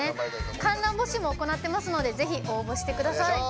観覧募集も行っておりますのでぜひ応募してください。